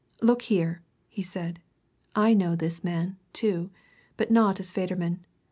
"Look here!" he said. "I know this man, too but not as Federman.